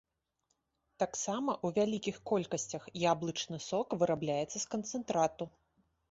Таксама ў вялікіх колькасцях яблычны сок вырабляецца з канцэнтрату.